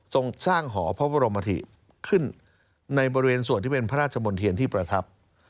ส่งสร้างหอพระบรมธิขึ้นในบริเวณส่วนที่เป็นพระราชมนเทียนที่ประทับ